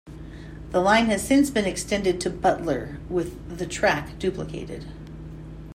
The line has since been extended to Butler with the track duplicated.